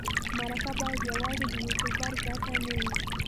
مرکه باید یوازې د یوټوبر ګټه نه وي.